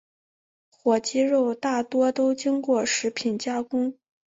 火鸡肉大多都经过食品加工。